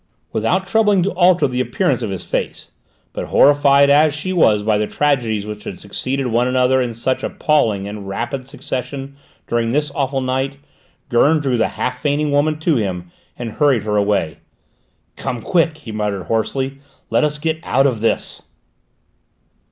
Without troubling to alter the appearance of his face, but horrified as she was by the tragedies which had succeeded one another in such appalling and rapid succession during this awful night, Gurn drew the half fainting woman to him, and hurried her away. "Come quick!" he muttered hoarsely. "Let us get out of this!"